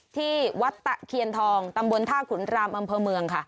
ที่วัดตะเคียนทองตำบลท่าขุนรามอำเภอเมืองค่ะ